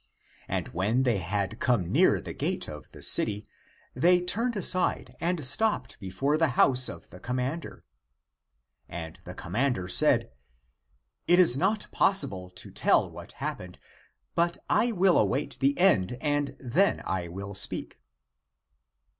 And when they had come near the gate of the city, they turned aside and stopped before the house of the commander. And the commander said, " It is not possible to tell what happened, but I will await the end and then I will speak."